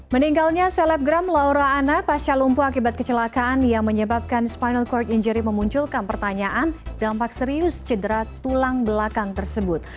meninggalnya selebgram laura anna pasca lumpuh akibat kecelakaan yang menyebabkan spinal cord injury memunculkan pertanyaan dampak serius cedera tulang belakang tersebut